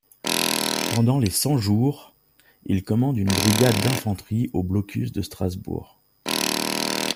Pendant les Cent-Jours, il commande une brigade d'infanterie au blocus de Strasbourg.